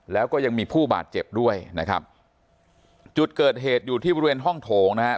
แล้วก็ยังมีผู้บาดเจ็บด้วยนะครับจุดเกิดเหตุอยู่ที่บริเวณห้องโถงนะฮะ